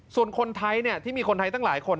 ส่วนคนไทยที่มีคนไทยตั้งหลายคน